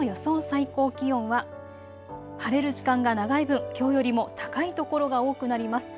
最高気温は晴れる時間が長い分、きょうよりも高い所が多くなります。